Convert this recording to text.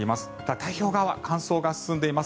太平洋側は乾燥が進んでいます。